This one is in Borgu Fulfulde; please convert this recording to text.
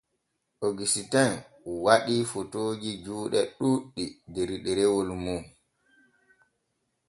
Ogusitin waɗii fotooji juuɗe ɗuuɗɗi der ɗerewol mum.